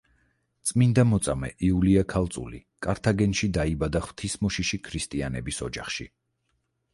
წმინდა მოწამე იულია ქალწული კართაგენში დაიბადა, ღვთისმოშიში ქრისტიანების ოჯახში.